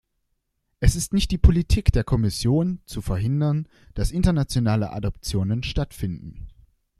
Es ist nicht die Politik der Kommission, zu verhindern, dass internationale Adoptionen stattfinden.